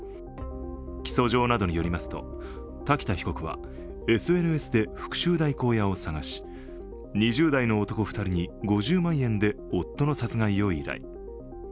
起訴状などによりますと瀧田被告はＳＮＳで復しゅう代行屋を探し、２０代の男２人に５０万円で夫の殺害を依頼。